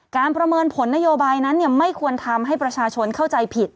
ประเมินผลนโยบายนั้นไม่ควรทำให้ประชาชนเข้าใจผิด